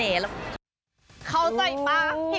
เขาใจป่ะ